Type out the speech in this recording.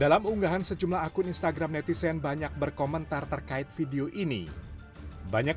dalam unggahan sejumlah akun instagram netizen banyak berkomentar terkait video ini banyak